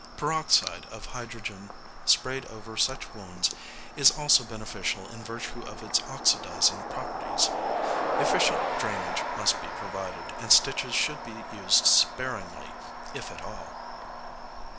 Peroxide of hydrogen sprayed over such wounds is also beneficial in virtue of its oxidising properties. Efficient drainage must be provided, and stitches should be used sparingly, if at all.